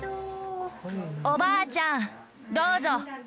おばあちゃんどうぞ！